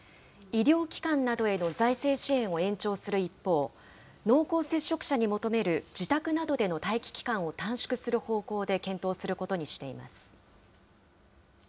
医療機関などへの財政支援を延長する一方、濃厚接触者に求める自宅などでの待機期間を短縮する方向で検討することにしています。